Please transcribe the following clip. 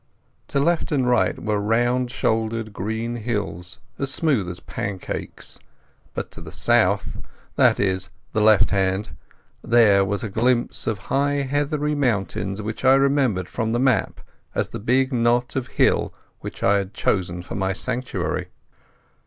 To left and right were round shouldered green hills as smooth as pancakes, but to the south—that is, the left hand—there was a glimpse of high heathery mountains, which I remembered from the map as the big knot of hill which I had chosen for my sanctuary.